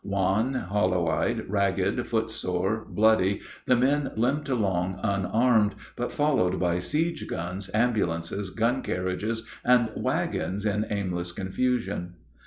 Wan, hollow eyed, ragged, foot sore, bloody, the men limped along unarmed, but followed by siege guns, ambulances, gun carriages, and wagons in aimless confusion.